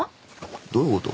どういうこと？